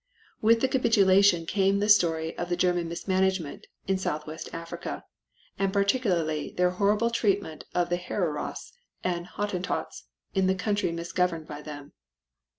With the capitulation came the story of the German mismanagement in Southwest Africa, and particularly their horrible treatment of the Hereros and Hottentots in the country misgoverned by them.